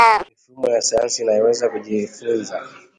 mfano, sayansi inaweza kujifunza